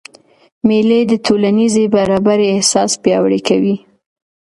مېلې د ټولنیزي برابرۍ احساس پیاوړی کوي.